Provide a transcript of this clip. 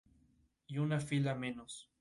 Se encuentra en pastizales y veredas.